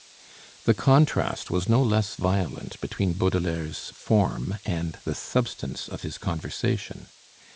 The contrast was no less violent between Baudelaire's form and the substance of his conversation.